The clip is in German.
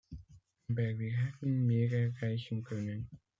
Aber wir hätten mehr erreichen können.